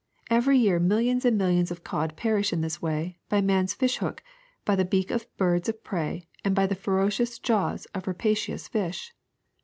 Every year millions and millions of cod perish in this way, by man's fish hook, by the beak of birds of prey, and by the fero cious jaws of rapacious fish.